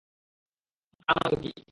তা নয়তো কী?